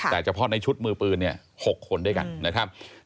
แต่เฉพาะในชุดมือปืนเนี่ย๖คนด้วยกันนะครับ